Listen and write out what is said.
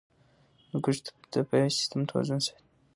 هندوکش د طبعي سیسټم توازن ساتي.